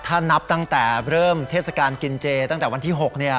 ถ้านับตั้งแต่เริ่มเทศกาลกินเจตั้งแต่วันที่๖เนี่ย